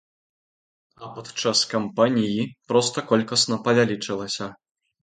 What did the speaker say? А падчас кампаніі проста колькасна павялічылася.